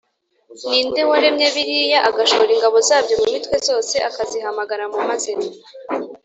ni nde waremye biriya, agashora ingabo zabyo mu mitwe, zose akazihamagara mu mazina?